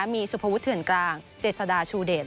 มีสุภวุฒเถื่อนกลางเจษฎาชูเดช